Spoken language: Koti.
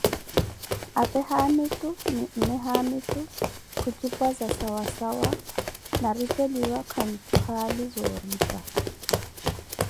apee haamitu na mme hamitu khujipwaza sawa sawa, na ripeliwa kanju haali za oripa.